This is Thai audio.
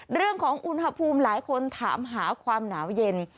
เรื่องของอุณหภูมิหลายคนถามหาความหนาวเย็น